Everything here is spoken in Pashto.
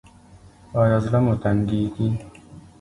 ایا زړه مو تنګیږي؟